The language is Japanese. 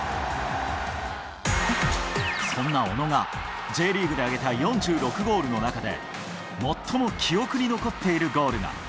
そんな小野がＪリーグで挙げた４６ゴールの中で、最も記憶に残っているゴールが。